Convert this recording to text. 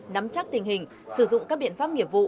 nắm chắc tình hình sử dụng các biện pháp nghiệp vụ